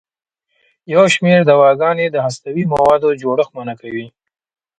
یو شمېر دواګانې د هستوي موادو جوړښت منع کوي.